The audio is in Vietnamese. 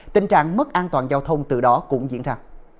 tình trạng mất an toàn giao thông từ đó cũng diễn ra